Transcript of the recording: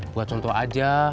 buat contoh aja